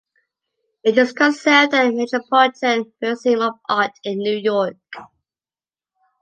It is conserved at the Metropolitan Museum of Art in New York.